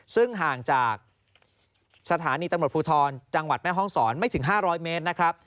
ซึ่งห่างจากสถานีตำรวจภูทรจังหวัดแม่ห้องศรไม่ถึง๕๐๐เมตรนะครับ